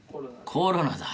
コロナだ。